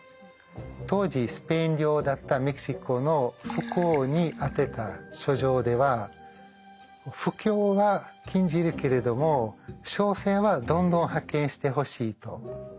当時スペイン領だったメキシコの副王に宛てた書状では布教は禁じるけれども商船はどんどん派遣してほしいと書いています。